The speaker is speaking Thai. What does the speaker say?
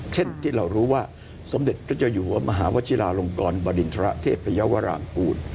เช่นที่เรารู้ว่าสมเด็จพระเจ้าอยู่หัวมหาวชิลาลงกรบริณฑระเทพยาวรางกูล